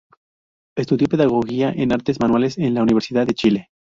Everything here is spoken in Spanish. Estudió Pedagogía en Artes Manuales en la Universidad de Chile.